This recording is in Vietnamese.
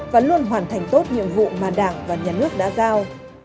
và luôn hoàn thành tốt nhiệm vụ mà đảng và nhà nước đã giao